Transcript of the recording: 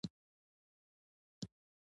زه دژوند د حسن انتخاب یمه